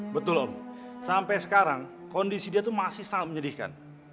betul om sampai sekarang kondisi dia itu masih sangat menyedihkan